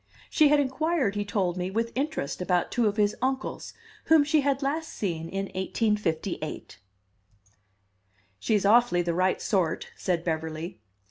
She had inquired, he told me, with interest about two of his uncles, whom she had last seen in 1858. "She's awfully the right sort," said Beverly.